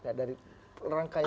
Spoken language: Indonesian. nggak dari rangkaian